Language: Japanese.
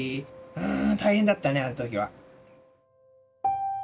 うん大変だったねあの時は。